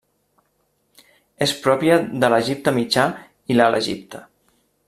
És pròpia de l'Egipte mitjà i l'alt Egipte.